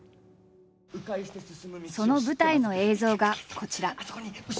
その舞台の映像がこちら。